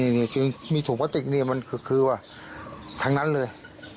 นี่มีถูกประติกนี่มันคือว่าทั้งนั้นเลย